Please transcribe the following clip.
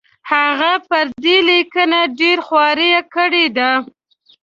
هغه پر دې لیکنه ډېره خواري کړې ده.